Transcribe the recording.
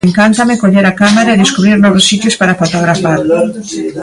Encántame coller a cámara e descubrir novos sitios para fotografar.